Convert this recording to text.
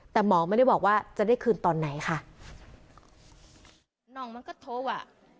แต่หมอไม่ได้บอกว่าจะได้คืนตอนไหนค่ะ